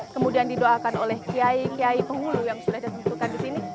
kemudian didoakan oleh kiai kiai penghulu yang sudah ditentukan di sini